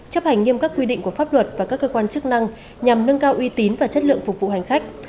chấp hành nghiêm các quy định của pháp luật và các cơ quan chức năng nhằm nâng cao uy tín và chất lượng phục vụ hành khách